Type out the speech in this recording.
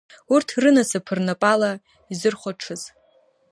Урҭ рынасыԥ рнапала изырхәаҽыз.